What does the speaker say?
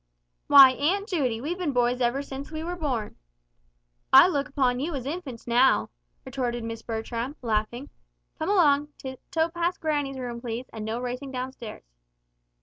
"Why, Aunt Judy, we've been boys ever since we were born!" "I look upon you as infants now," retorted Miss Bertram, laughing. "Come along tiptoe past granny's room, please, and no racing downstairs."